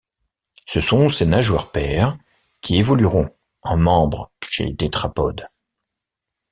Ce sont ces nageoires paires qui évolueront en membres chez les tétrapodes.